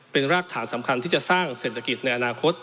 เป็นรากฐานสำคัญที่จะสร้างเศรษฐกิจในอนาคต